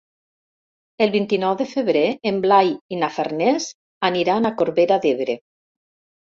El vint-i-nou de febrer en Blai i na Farners aniran a Corbera d'Ebre.